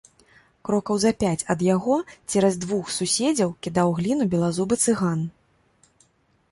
Крокаў за пяць ад яго, цераз двух суседзяў, кідаў гліну белазубы цыган.